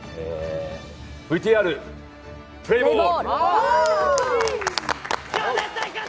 ＶＴＲプレーボール！